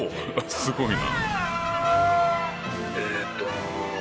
すごいな。